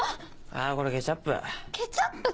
あぁこれケチャップ。